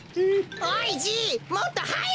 おいじい！